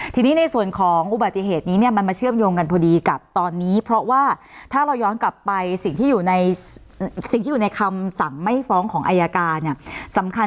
ทีนี้ในส่วนของอุบัติเหตุนี้เนี่ยมันมาเชื่อมโยงกันพอดีกับตอนนี้เพราะว่าถ้าเราย้อนกลับไปสิ่งที่อยู่ในสิ่งที่อยู่ในคำสั่งไม่ฟ้องของอายการเนี่ยสำคัญ